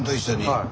はい。